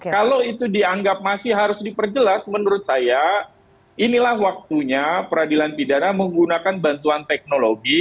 kalau itu dianggap masih harus diperjelas menurut saya inilah waktunya peradilan pidana menggunakan bantuan teknologi